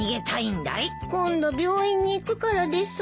今度病院に行くからです。